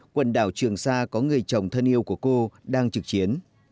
quần đảo trường sa có người chồng thân yêu của cô đang trực chiến